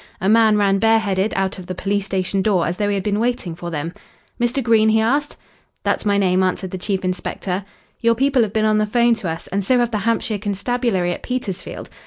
A man ran bare headed out of the police station door as though he had been waiting for them. "Mr. Green?" he asked. "That's my name," answered the chief inspector. "Your people have been on the 'phone to us, and so have the Hampshire Constabulary at Petersfield.